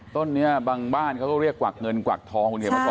ต้นนี้บางบ้านเขาก็เรียกกวักเงินกวักทองคุณเขียนมาสอน